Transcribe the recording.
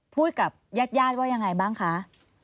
พูดกับญาติว่ายังไงบ้างคะ